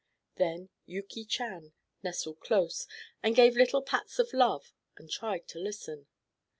Then Yuki Chan nestled close, and gave little pats of love and tried to listen.